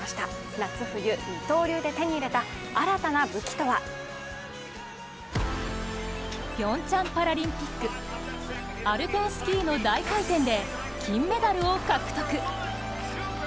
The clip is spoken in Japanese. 夏・冬二刀流で手に入れたピョンチャンパラリンピック、アルペンスキーの大回転で金メダルを獲得。